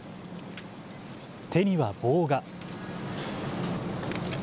手には棒が。